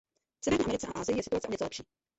V Severní Americe a Asii je situace o něco lepší.